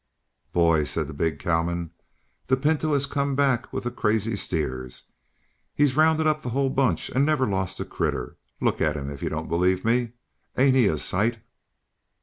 "Boys," said the big cowman, "the Pinto has come back with the crazy steers. He's rounded up the whole bunch and never lost a critter. Look at him, if you don't believe me. Ain't he a sight?"